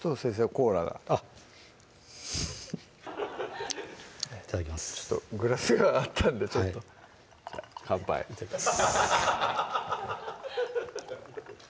コーラがあっフフッいただきますグラスがあったんでちょっと乾杯いただきます